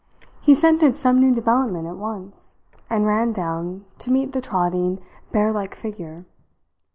He scented some new development at once, and ran down to meet the trotting, bear like figure.